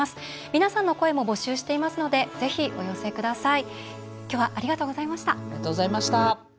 皆さんの声も募集していますのでぜひ、お寄せください。